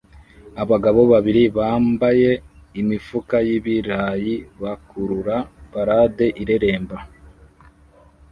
Abagabo babiri bambaye imifuka y'ibirayi bakurura parade ireremba